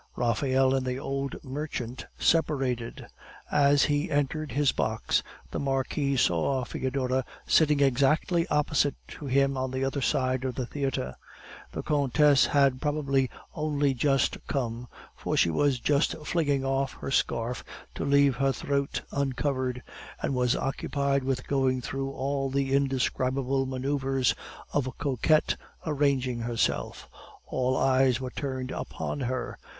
Raphael and the old merchant separated. As he entered his box, the Marquis saw Foedora sitting exactly opposite to him on the other side of the theatre. The Countess had probably only just come, for she was just flinging off her scarf to leave her throat uncovered, and was occupied with going through all the indescribable manoeuvres of a coquette arranging herself. All eyes were turned upon her.